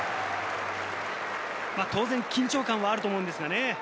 当然、緊張感はあると思うんですがね。